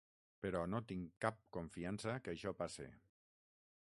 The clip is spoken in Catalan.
Però no tinc cap confiança que això passe.